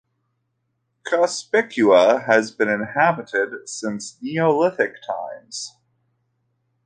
Cospicua has been inhabited since Neolithic times.